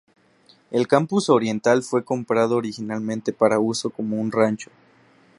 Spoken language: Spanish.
El campus oriental fue comprado originalmente para uso como un rancho.